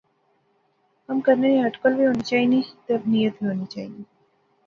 کم کرنے نی اٹکل وہ ہونی چائینی تے نیت وی ہونی چائینی